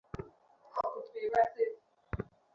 শহরের বিভিন্ন জায়গায় অনেক সমৃদ্ধ গ্রন্থাগার আছে।